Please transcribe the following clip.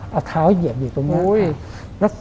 เอาเท้าเหยียบอยู่ตรงนี้